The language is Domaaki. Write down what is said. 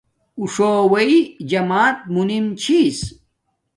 اُݸ ݽݸوݵئ جمݳت مُنِم چھݵس.